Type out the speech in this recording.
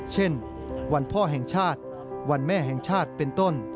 เช่นวันพ่อแห่งชาติวันแม่แห่งชาติเป็นต้น